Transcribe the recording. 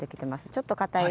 ちょっとかたい